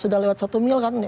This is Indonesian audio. sudah lewat satu mil kan